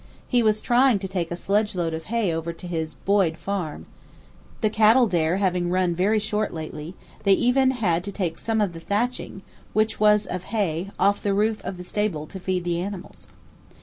He was trying to take a sledge load of hay over to his "Boyd" farm. The cattle there having run very short lately, they even had to take some of the thatching, which was of hay, off the roof of the stable to feed the animals.